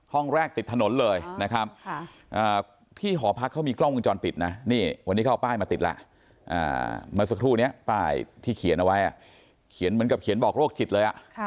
ห้องแรกติดถนนเลยนะครับที่หอพักเขามีกล้องวงจรปิดนะนี่วันนี้เขาเอาป้ายมาติดแล้วเมื่อสักครู่นี้ป้ายที่เขียนเอาไว้เขียนเหมือนกับเขียนบอกโรคจิตเลย